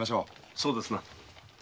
そうですな。